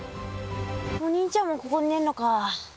お兄ちゃんもここに寝んのか。